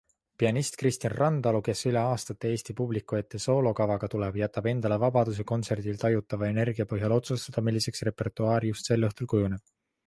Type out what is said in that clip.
Pianist Kristjan Randalu, kes üle aastate eesti publiku ette soolokavaga tuleb, jätab endale vabaduse kontserdil tajutava energia põhjal otsustada, milliseks repertuaar just sel õhtul kujuneb.